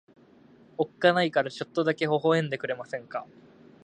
おっかないからちょっとだけ微笑んでくれませんか。